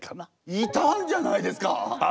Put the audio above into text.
いたんじゃないですか！